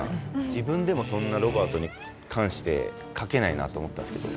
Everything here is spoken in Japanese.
自分でもそんなロバートに関して書けないなと思ったんですけど。